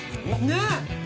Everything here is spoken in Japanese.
ねっ！